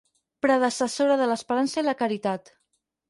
Predecessora de l'esperança i la caritat.